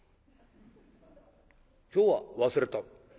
「今日は忘れた」。